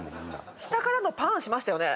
下からのパンしましたよね